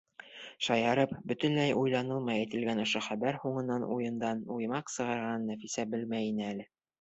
Шаярып, бөтөнләй уйланылмай әйтелгән ошо хәбәр һуңынан уйындан уймаҡ сығарасағын Нәфисә белмәй ине әле.